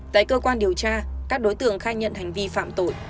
tại cơ quan điều tra các đối tượng khai nhận hành vi phạm tội